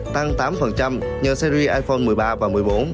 tăng tám nhờ series iphone một mươi ba và một mươi bốn